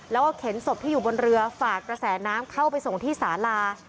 แล้วก็เข็นศพที่อยู่บนเรือฝากกระแสน้ำเข้าไปส่งที่สาลา